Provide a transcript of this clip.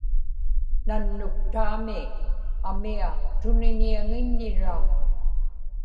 nannuktaami amia tuniñiaŋiññiraa